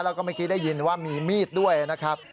แล้วก็เมื่อกี้ได้ยินว่ามีมีดด้วยนะครับ